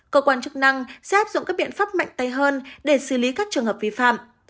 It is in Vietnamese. cơ quan chức năng sẽ áp dụng các biện pháp mạnh tay hơn để xử lý các trường hợp vi phạm